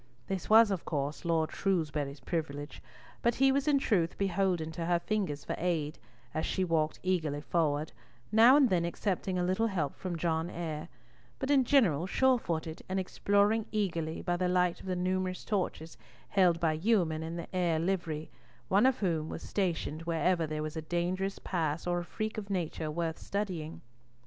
This was, of course, Lord Shrewsbury's privilege, but he was in truth beholden to her fingers for aid, as she walked eagerly forward, now and then accepting a little help from John Eyre, but in general sure footed and exploring eagerly by the light of the numerous torches held by yeomen in the Eyre livery, one of whom was stationed wherever there was a dangerous pass or a freak of nature worth studying.